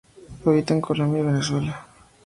Habita en Colombia y Venezuela.